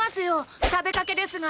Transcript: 食べかけですが。